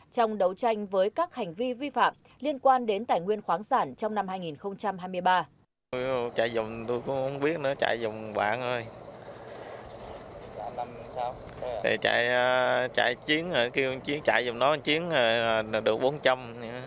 trong đấu tranh với các hành vi vi phạm liên quan đến tài nguyên khoáng sản trong năm hai nghìn hai mươi ba